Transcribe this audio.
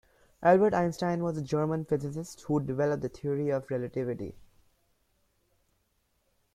Albert Einstein was a German physicist who developed the Theory of Relativity.